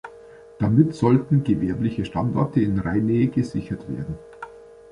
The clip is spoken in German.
Damit sollten gewerbliche Standorte in Rheinnähe gesichert werden.